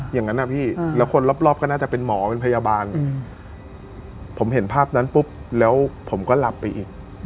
อย่างนั้นนะพี่แล้วคนรอบก็น่าจะเป็นหมอเป็นพยาบาลผมเห็นภาพนั้นปุ๊บแล้วผมก็หลับไปอีก